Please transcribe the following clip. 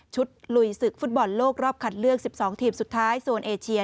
ลุยศึกฟุตบอลโลกรอบคัดเลือก๑๒ทีมสุดท้ายโซนเอเชีย